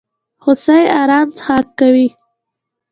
هوسۍ ارام څښاک کوي.